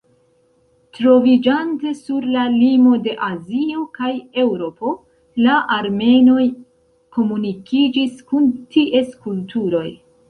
Troviĝante sur la limo de Azio kaj Eŭropo, la armenoj komunikiĝis kun ties kulturoj.